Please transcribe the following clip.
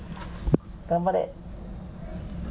頑張れ。